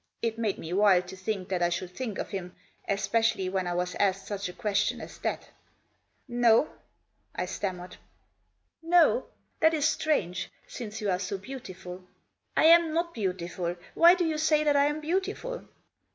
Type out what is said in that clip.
It made me wild to think that I should think of him, especially when I was asked such a question as that. * No," I stammered. Digitized by SUSIE. 127 "No? That is strange. Since you are so beautiful." " I am not beautiful. Why do you say that I am beautiful?"